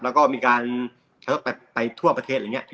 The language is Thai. แล้วก็มีการเทอะไปทั่วประเทศอะไรอย่างนี้